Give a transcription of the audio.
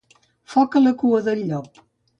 Foc a la cua del llop.